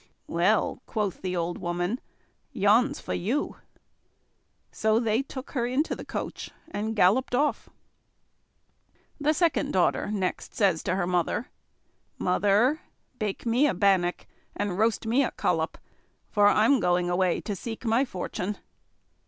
"Well," quoth the old woman, "yon's for you." So they took her into the coach and galloped off. The second daughter next says to her mother: "Mother, bake me a bannock, and roast me a collop, for I'm going away to seek my fortune."